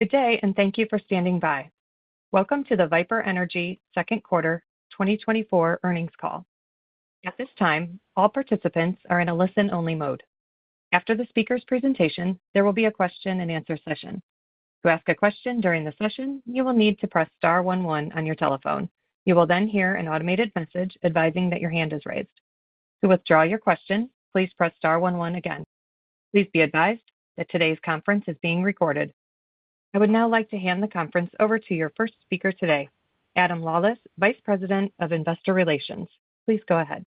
Good day, and thank you for standing by. Welcome to the Viper Energy second quarter 2024 earnings call. At this time, all participants are in a listen-only mode. After the speaker's presentation, there will be a question-and-answer session. To ask a question during the session, you will need to press star one one on your telephone. You will then hear an automated message advising that your hand is raised. To withdraw your question, please press star one one again. Please be advised that today's conference is being recorded. I would now like to hand the conference over to your first speaker today, Adam Lawlis, Vice President of Investor Relations. Please go ahead.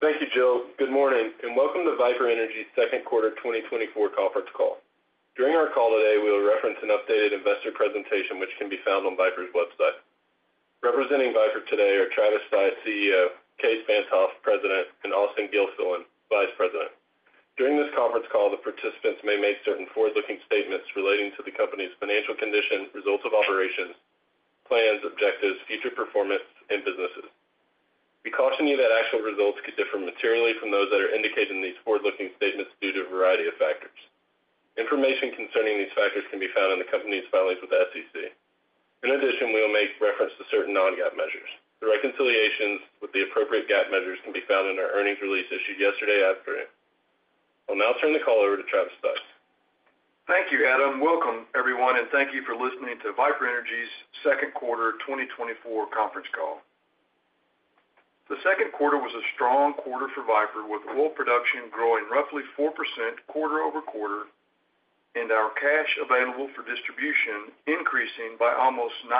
Thank you, Jill. Good morning, and welcome to Viper Energy's second quarter 2024 conference call. During our call today, we will reference an updated investor presentation, which can be found on Viper's website. Representing Viper today are Travis Stice, CEO, Kaes Van't Hof, President, and Austen Gilfillan, Vice President. During this conference call, the participants may make certain forward-looking statements relating to the company's financial condition, results of operations, plans, objectives, future performance, and businesses. We caution you that actual results could differ materially from those that are indicated in these forward-looking statements due to a variety of factors. Information concerning these factors can be found in the company's filings with the SEC. In addition, we will make reference to certain non-GAAP measures. The reconciliations with the appropriate GAAP measures can be found in our earnings release issued yesterday afternoon. I'll now turn the call over to Travis Stice. Thank you, Adam. Welcome, everyone, and thank you for listening to Viper Energy's second quarter 2024 conference call. The second quarter was a strong quarter for Viper, with oil production growing roughly 4% quarter-over-quarter, and our cash available for distribution increasing by almost 9%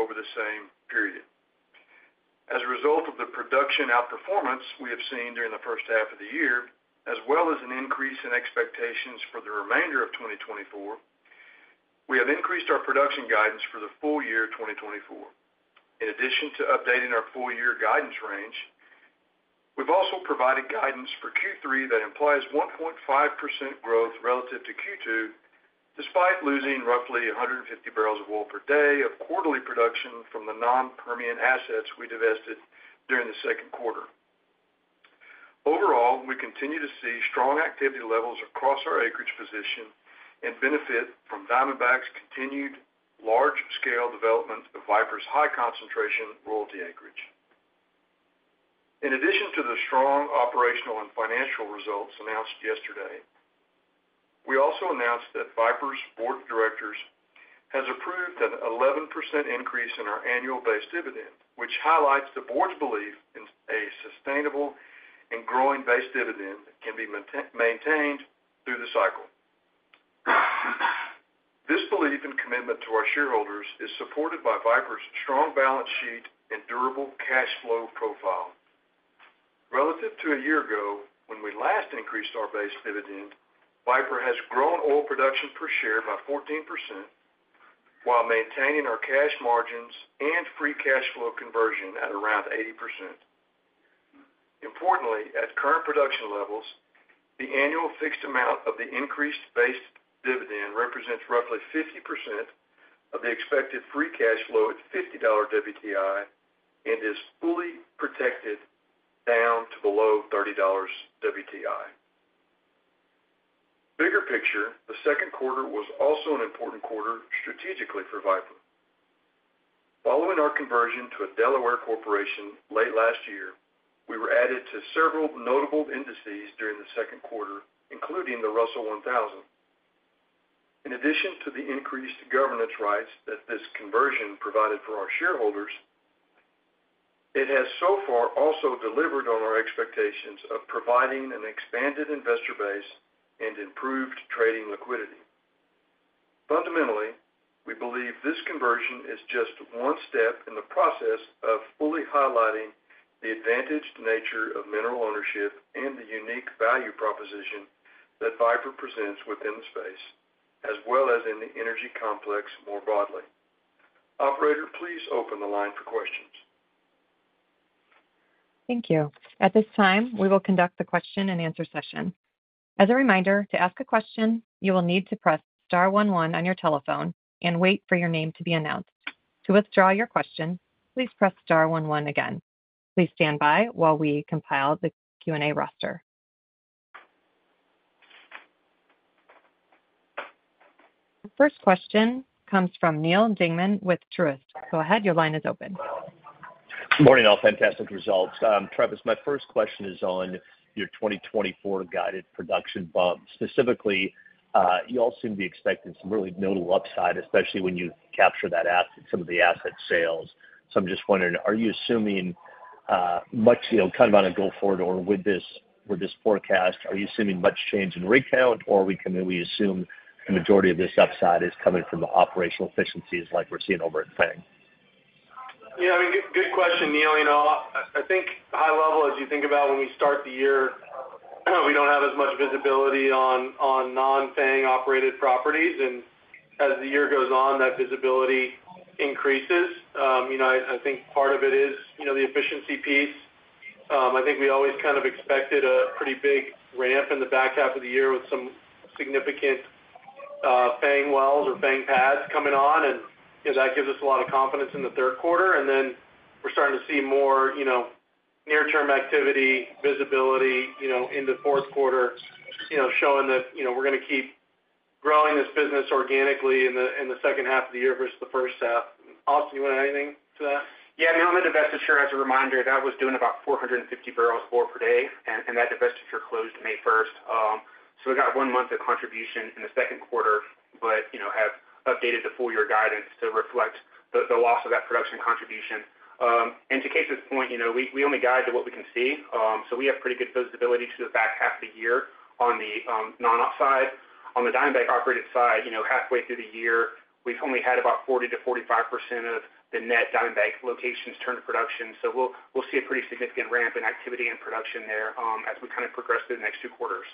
over the same period. As a result of the production outperformance we have seen during the first half of the year, as well as an increase in expectations for the remainder of 2024, we have increased our production guidance for the full year 2024. In addition to updating our full-year guidance range, we've also provided guidance for Q3 that implies 1.5% growth relative to Q2, despite losing roughly 150 barrels of oil per day of quarterly production from the non-Permian assets we divested during the second quarter. Overall, we continue to see strong activity levels across our acreage position and benefit from Diamondback's continued large-scale development of Viper's high concentration royalty acreage. In addition to the strong operational and financial results announced yesterday, we also announced that Viper's board of directors has approved an 11% increase in our annual base dividend, which highlights the board's belief in a sustainable and growing base dividend that can be maintained through the cycle. This belief and commitment to our shareholders is supported by Viper's strong balance sheet and durable cash flow profile. Relative to a year ago, when we last increased our base dividend, Viper has grown oil production per share by 14% while maintaining our cash margins and free cash flow conversion at around 80%. Importantly, at current production levels, the annual fixed amount of the increased base dividend represents roughly 50% of the expected free cash flow at $50 WTI and is fully protected down to below $30 WTI. Bigger picture, the second quarter was also an important quarter strategically for Viper. Following our conversion to a Delaware corporation late last year, we were added to several notable indices during the second quarter, including the Russell 1000. In addition to the increased governance rights that this conversion provided for our shareholders, it has so far also delivered on our expectations of providing an expanded investor base and improved trading liquidity. Fundamentally, we believe this conversion is just one step in the process of fully highlighting the advantaged nature of mineral ownership and the unique value proposition that Viper presents within the space, as well as in the energy complex more broadly. Operator, please open the line for questions. Thank you. At this time, we will conduct the question-and-answer session. As a reminder, to ask a question, you will need to press star one one on your telephone and wait for your name to be announced. To withdraw your question, please press star one one again. Please stand by while we compile the Q&A roster. The first question comes from Neal Dingmann with Truist. Go ahead. Your line is open. Good morning, all. Fantastic results. Travis, my first question is on your 2024 guided production bump. Specifically, you all seem to be expecting some really notable upside, especially when you capture that asset, some of the asset sales. So I'm just wondering, are you assuming much, you know, kind of on a go forward or with this, with this forecast, are you assuming much change in rig count, or can we assume the majority of this upside is coming from the operational efficiencies like we're seeing over at Fang? Yeah, I mean, good question, Neal. You know, I think high level, as you think about when we start the year, we don't have as much visibility on non-Fang-operated properties, and as the year goes on, that visibility increases. You know, I think part of it is, you know, the efficiency piece. I think we always kind of expected a pretty big ramp in the back half of the year with some significant Fang wells or Fang pads coming on, and, you know, that gives us a lot of confidence in the third quarter. And then we're starting to see more, you know near-term activity, visibility, you know, into fourth quarter, you know, showing that, you know, we're going to keep growing this business organically in the, in the second half of the year versus the first half. Austin, you want to add anything to that? Yeah, I mean, on the divestiture, as a reminder, that was doing about 450 barrels oil per day, and that divestiture closed May 1. So we got one month of contribution in the second quarter, but, you know, have updated the full year guidance to reflect the loss of that production contribution. And to Kaes's point, you know, we only guide to what we can see, so we have pretty good visibility to the back half of the year on the non-op side. On the Diamondback operated side, you know, halfway through the year, we've only had about 40%-45% of the net Diamondback locations turn to production. So we'll see a pretty significant ramp in activity and production there, as we kind of progress through the next two quarters.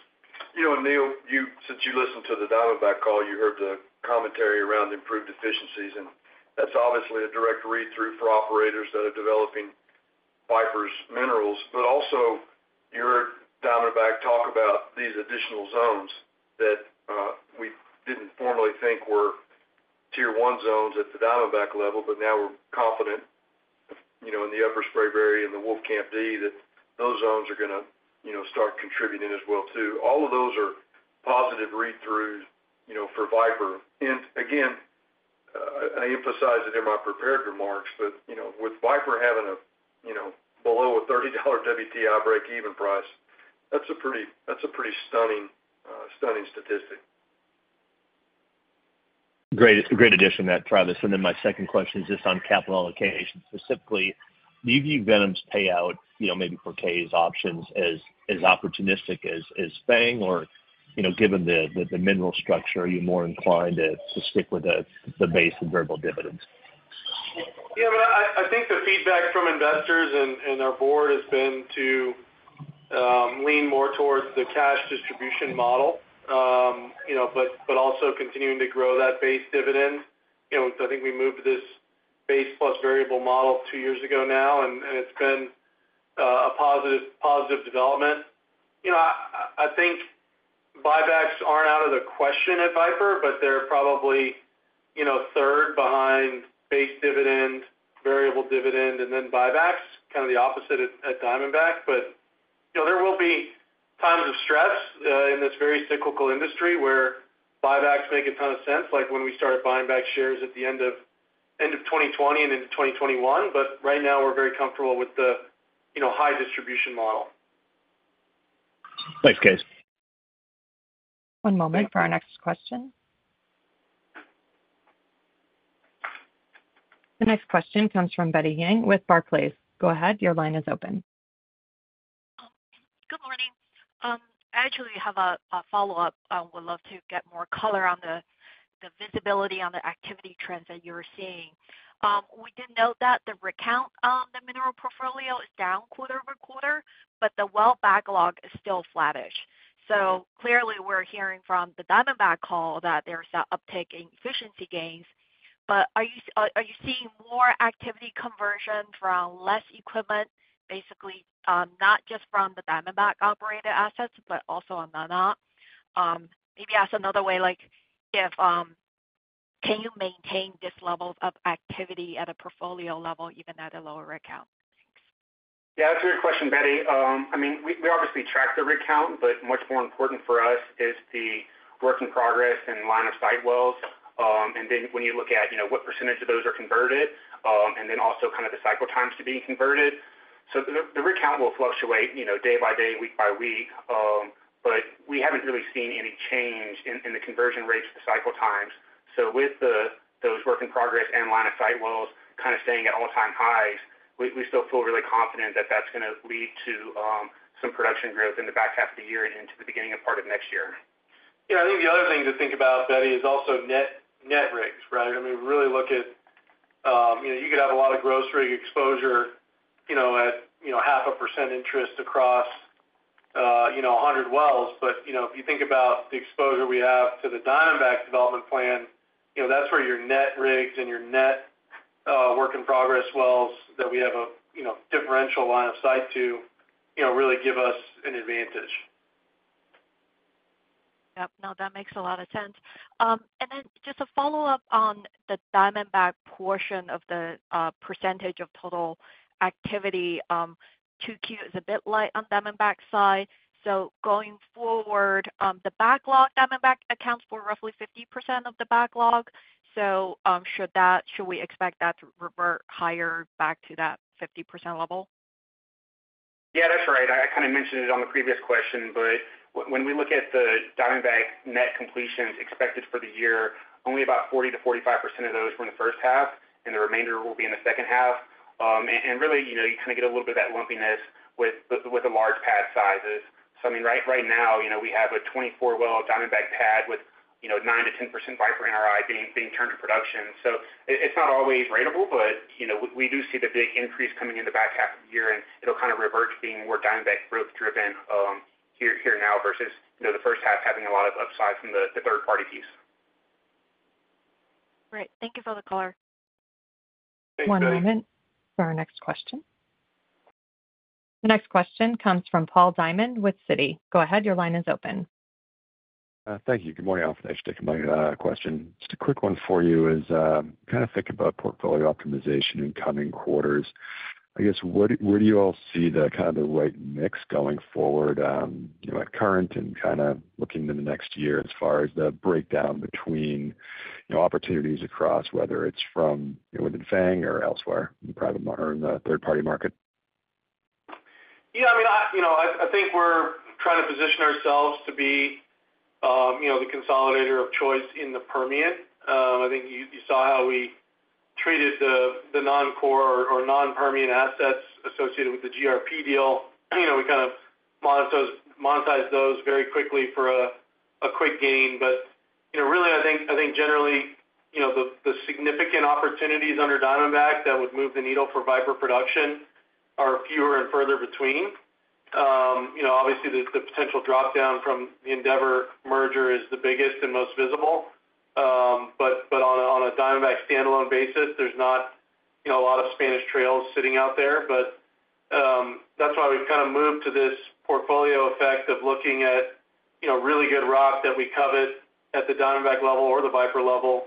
You know, and Neal, you, since you listened to the Diamondback call, you heard the commentary around improved efficiencies, and that's obviously a direct read-through for operators that are developing Viper's minerals. But also, you heard Diamondback talk about these additional zones that we didn't formerly think were tier one zones at the Diamondback level, but now we're confident, you know, in the Upper Spraberry and the Wolfcamp D, that those zones are gonna, you know, start contributing as well, too. All of those are positive read-throughs, you know, for Viper. And again, I emphasize it in my prepared remarks, but, you know, with Viper having a, you know, below a $30 WTI breakeven price, that's a pretty, that's a pretty stunning, stunning statistic. Great. It's a great addition, that, Travis. And then my second question is just on capital allocation. Specifically, do you view Venom's payout, you know, maybe for today's options as, as opportunistic as, as Fang? Or, you know, given the, the mineral structure, are you more inclined to, to stick with the, the base and variable dividends? Yeah, but I think the feedback from investors and our board has been to lean more towards the cash distribution model, you know, but also continuing to grow that base dividend. You know, so I think we moved this base plus variable model two years ago now, and it's been a positive development. You know, I think buybacks aren't out of the question at Viper, but they're probably, you know, third behind base dividend, variable dividend, and then buybacks, kind of the opposite at Diamondback. But, you know, there will be times of stress in this very cyclical industry where buybacks make a ton of sense, like when we started buying back shares at the end of 2020 and into 2021. But right now, we're very comfortable with the, you know, high distribution model. Thanks, guys. One moment for our next question. The next question comes from Betty Jiang with Barclays. Go ahead, your line is open. Good morning. I actually have a follow-up. I would love to get more color on the visibility on the activity trends that you're seeing. We did note that the rig count on the mineral portfolio is down quarter over quarter, but the well backlog is still flattish. So clearly, we're hearing from the Diamondback call that there's an uptick in efficiency gains. But are you seeing more activity conversion from less equipment, basically, not just from the Diamondback operated assets, but also on non-op? Maybe ask another way, like if can you maintain this level of activity at a portfolio level, even at a lower rig count? Yeah, that's a great question, Betty. I mean, we obviously track the rig count, but much more important for us is the work in progress and line of sight wells. And then when you look at, you know, what percentage of those are converted, and then also kind of the cycle times to being converted. So the rig count will fluctuate, you know, day by day, week by week, but we haven't really seen any change in the conversion rates, the cycle times. So with those work in progress and line of sight wells kind of staying at all-time highs, we still feel really confident that that's gonna lead to some production growth in the back half of the year and into the beginning of part of next year. Yeah, I think the other thing to think about, Betty, is also net, net rigs, right? I mean, really look at, you know, you could have a lot of gross rig exposure, you know, at, you know, 0.5% interest across, you know, 100 wells. But, you know, if you think about the exposure we have to the Diamondback development plan, you know, that's where your net rigs and your net, work in progress wells that we have a, you know, differential line of sight to, you know, really give us an advantage. Yep. No, that makes a lot of sense. And then just a follow-up on the Diamondback portion of the percentage of total activity. 2Q is a bit light on Diamondback side. So going forward, the backlog, Diamondback accounts for roughly 50% of the backlog. So, should we expect that to revert higher back to that 50% level? Yeah, that's right. I kind of mentioned it on the previous question, but when we look at the Diamondback net completions expected for the year, only about 40%-45% of those were in the first half, and the remainder will be in the second half. And really, you know, you kind of get a little bit of that lumpiness with the large pad sizes. So I mean, right, right now, you know, we have a 24-well Diamondback pad with 9%-10% Viper NRI being turned to production. So it's not always ratable, but, you know, we do see the big increase coming in the back half of the year, and it'll kind of revert to being more Diamondback growth driven, here now versus, you know, the first half having a lot of upside from the third-party piece. Great. Thank you for the color. Thanks, Betty. One moment for our next question. The next question comes from Paul Diamond with Citi. Go ahead, your line is open. Thank you. Good morning, all. Thanks for taking my question. Just a quick one for you is kind of think about portfolio optimization in coming quarters. I guess, where do you all see the kind of the right mix going forward, you know, at current and kind of looking in the next year as far as the breakdown between, you know, opportunities across, whether it's from within Fang or elsewhere in the private market or in the third party market? Yeah, I mean, you know, I think we're trying to position ourselves to be, you know, the consolidator of choice in the Permian. I think you saw how we treated the non-core or non-Permian assets associated with the GRP deal. You know, we kind of monetized those very quickly for a quick gain. But, you know, really, I think generally, you know, the significant opportunities under Diamondback that would move the needle for Viper production are fewer and further between. You know, obviously, the potential drop-down from the Endeavor merger is the biggest and most visible. But on a Diamondback standalone basis, there's not, you know, a lot of Spanish Trail sitting out there. But that's why we've kind of moved to this portfolio effect of looking at, you know, really good rock that we covet at the Diamondback level or the Viper level,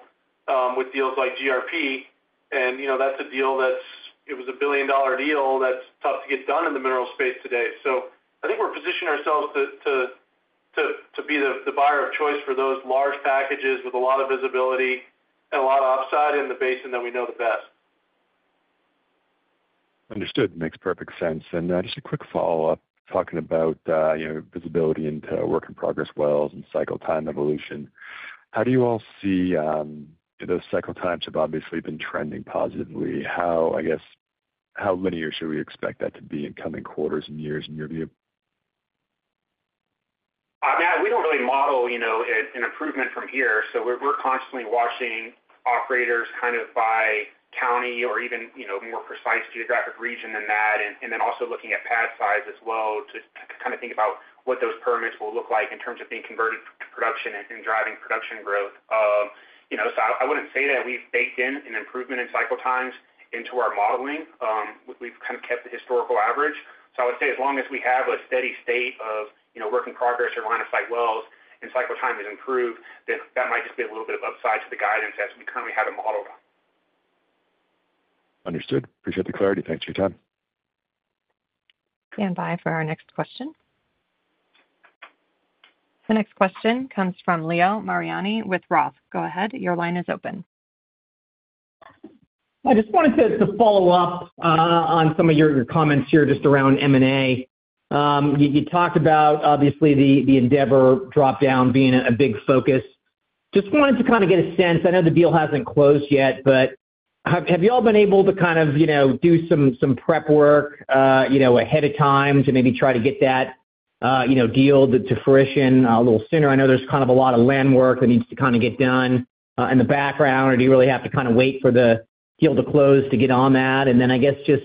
with deals like GRP, and, you know, that's a deal that's. It was a billion-dollar deal that's tough to get done in the mineral space today. So I think we're positioning ourselves to be the buyer of choice for those large packages with a lot of visibility and a lot of upside in the basin that we know the best. Understood. Makes perfect sense. And, just a quick follow-up, talking about, you know, visibility into work in progress wells and cycle time evolution. How do you all see those cycle times have obviously been trending positively. How, I guess, how linear should we expect that to be in coming quarters and years, in your view? Matt, we don't really model, you know, an improvement from here, so we're constantly watching operators kind of by county or even, you know, more precise geographic region than that, and then also looking at pad size as well to kind of think about what those permits will look like in terms of being converted to production and driving production growth. You know, so I wouldn't say that we've baked in an improvement in cycle times into our modeling. We've kind of kept the historical average. So I would say as long as we have a steady state of, you know, work in progress or line-of-sight wells, and cycle time is improved, then that might just be a little bit of upside to the guidance as we currently have it modeled out. Understood. Appreciate the clarity. Thanks for your time. Stand by for our next question. The next question comes from Leo Mariani with Roth. Go ahead, your line is open. I just wanted to follow up on some of your comments here, just around M&A. You talked about, obviously, the Endeavor drop-down being a big focus. Just wanted to kind of get a sense. I know the deal hasn't closed yet, but have you all been able to kind of, you know, do some prep work, you know, ahead of time to maybe try to get that, you know, deal to fruition a little sooner? I know there's kind of a lot of land work that needs to kind of get done in the background, or do you really have to kind of wait for the deal to close to get on that? And then I guess just,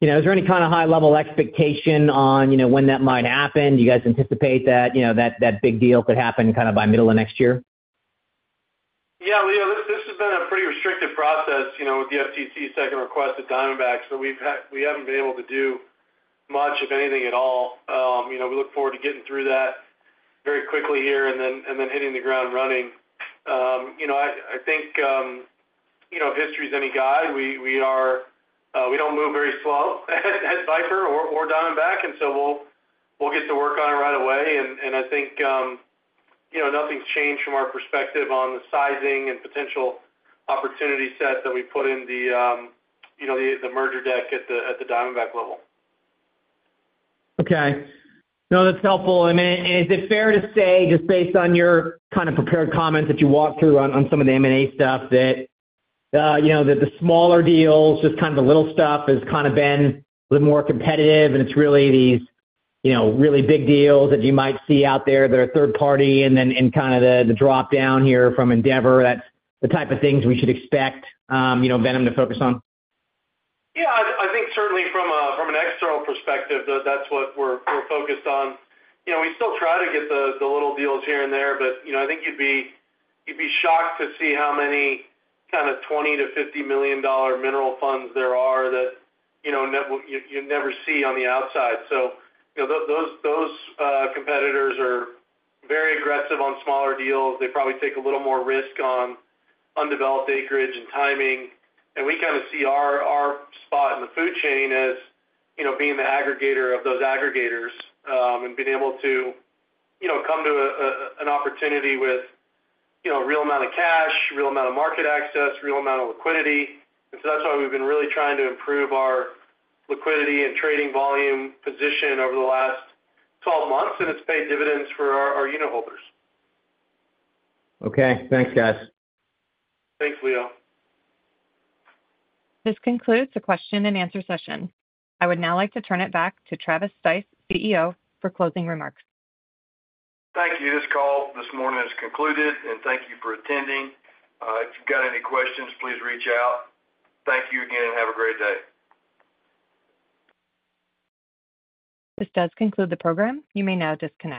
you know, is there any kind of high-level expectation on, you know, when that might happen? Do you guys anticipate that, you know, that big deal could happen kind of by middle of next year? Yeah, Leo, this has been a pretty restricted process, you know, with the FTC's second request at Diamondback, so we haven't been able to do much of anything at all. You know, we look forward to getting through that very quickly here and then hitting the ground running. You know, I think, you know, if history is any guide, we are, we don't move very slow at Viper or Diamondback, and so we'll get to work on it right away. And I think, you know, nothing's changed from our perspective on the sizing and potential opportunity set that we put in the merger deck at the Diamondback level. Okay. No, that's helpful. And then, and is it fair to say, just based on your kind of prepared comments that you walked through on, on some of the M&A stuff, that, you know, that the smaller deals, just kind of the little stuff, has kind of been the more competitive, and it's really these, you know, really big deals that you might see out there that are third party and then, and kind of the, the drop-down here from Endeavor, that's the type of things we should expect, you know, Venom to focus on? Yeah, I think certainly from an external perspective, that's what we're focused on. You know, we still try to get the little deals here and there, but, you know, I think you'd be shocked to see how many kind of $20 million-$50 million mineral funds there are that, you know, you never see on the outside. So, you know, those competitors are very aggressive on smaller deals. They probably take a little more risk on undeveloped acreage and timing, and we kind of see our spot in the food chain as, you know, being the aggregator of those aggregators, and being able to, you know, come to an opportunity with, you know, a real amount of cash, real amount of market access, real amount of liquidity. So that's why we've been really trying to improve our liquidity and trading volume position over the last 12 months, and it's paid dividends for our unit holders. Okay. Thanks, guys. Thanks, Leo. This concludes the question and answer session. I would now like to turn it back to Travis Stice, CEO, for closing remarks. Thank you. This call this morning is concluded, and thank you for attending. If you've got any questions, please reach out. Thank you again, and have a great day. This does conclude the program. You may now disconnect.